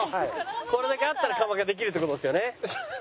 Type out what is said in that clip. これだけあったら窯ができるって事ですよね。